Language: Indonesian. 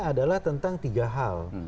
adalah tentang tiga hal